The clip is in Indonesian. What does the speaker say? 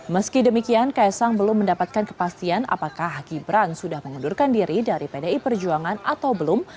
meski demikian kaisang belum mendapatkan kepastian apakah gibran sudah mengundurkan diri dari pdi perjuangan atau belum